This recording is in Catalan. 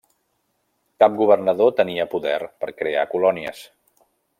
Cap governador tenia poder per crear colònies.